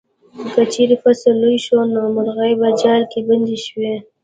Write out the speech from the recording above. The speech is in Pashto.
کله چې فصل لوی شو نو مرغۍ په جال کې بندې شوې.